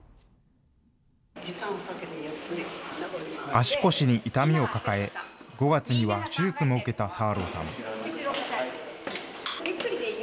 足腰に痛みを抱え、５月には手術も受けたサーローさん。